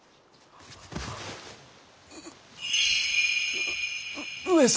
う上様！